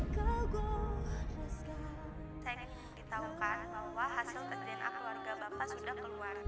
saya ingin ditahukan bahwa hasil ke dna keluarga bapak sudah keluar